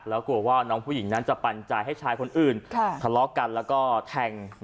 แล้วกลัวว่าน้องผู้หญิงนั้นจะปัญญาให้ชายคนอื่นทะเลาะกันแล้วก็แทง